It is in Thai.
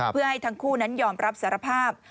เพื่อให้ทั้งคู่นั้นยอมรับสารภาพ